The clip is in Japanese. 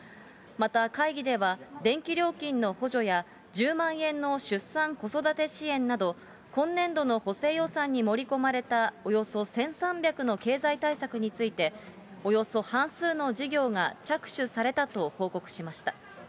また、会議では、電気料金の補助や１０万円の出産子育て支援など、今年度の補正予算に盛り込まれたおよそ１３００の経済対策について、およそ半数の事業が着手されたと報告されました。